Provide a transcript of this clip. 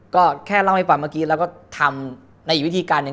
ก็แค่เล่าให้ฟังเมื่อกี้แล้วก็ทำในอีกวิธีการหนึ่ง